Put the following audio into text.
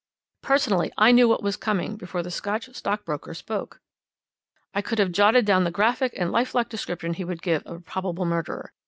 "Personally I knew what was coming before the Scotch stockbroker spoke. "I could have jotted down the graphic and lifelike description he would give of a probable murderer.